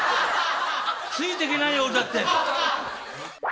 ついてけないよ俺だって。